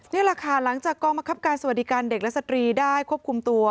นี่แหละค่ะหลังจากกองบังคับการสวัสดิการเด็กและสตรีได้ควบคุมตัว